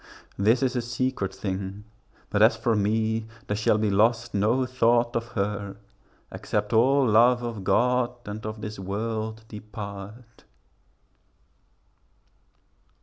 This is a secret thing: but as for me, There shall be lost no thought of her, except All love of God and of this world depart.